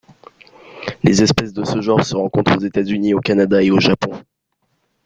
Les espèces de ce genre se rencontrent aux États-Unis, au Canada et au Japon.